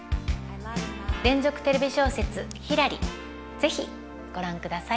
連続テレビ小説「ひらり」是非ご覧ください。